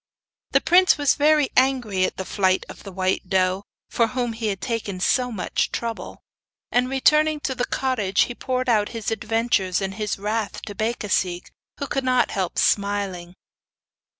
The prince was very angry at the flight of the white doe, for whom he had taken so much trouble, and returning to the cottage he poured out his adventures and his wrath to Becasigue, who could not help smiling.